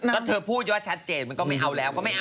ก็เธอพูดอย่างนั้นชัดเจนมันก็ไม่เอาแล้ว